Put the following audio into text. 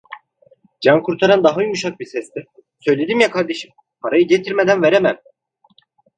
Cankurtaran daha yumuşak bir sesle: "Söyledim ya kardeşim, parayı getirmeden veremem!"